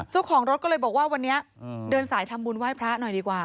เจ้าของรถก็เลยบอกว่าวันนี้เดินสายทำบุญไหว้พระหน่อยดีกว่า